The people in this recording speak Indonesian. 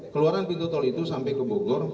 keluaran pintu tol itu sampai ke bogor